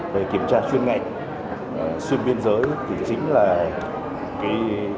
về kiểm tra chuyên ngành xuyên biên giới thì chính là cái